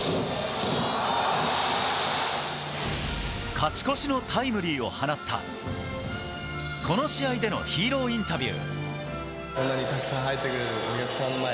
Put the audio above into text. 勝ち越しのタイムリーを放ったこの試合でのヒーローインタビュー。